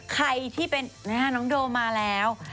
ใครที่เป็นน้องโดมาแล้ว